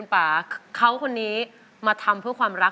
น้องพ่อสิให้นำบอก